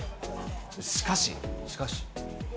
しかし。